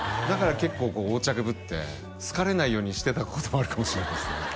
だから結構横着ぶって好かれないようにしてたこともあるかもしれないっすね